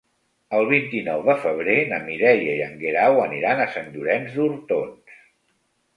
El vint-i-nou de febrer na Mireia i en Guerau aniran a Sant Llorenç d'Hortons.